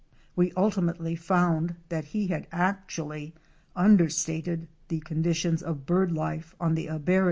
We ultimately found that he had actually understated the conditions of bird life on the Abary!